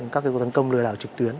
các cuộc tấn công lừa đảo trực tuyến